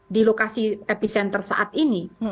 di lokasi epicenter saat ini